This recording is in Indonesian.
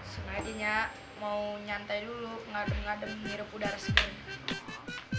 sebenarnya mau nyantai dulu pengadem ngadem ngirep udara segini